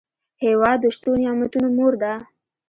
هېواد د شتو نعمتونو مور ده.